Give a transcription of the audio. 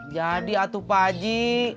jadi atuh paji